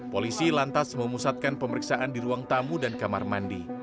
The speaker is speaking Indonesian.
polisi lantas memusatkan pemeriksaan di ruang tamu dan kamar mandi